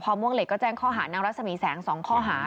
ม่วงเหล็กก็แจ้งข้อหานางรัศมีแสง๒ข้อหา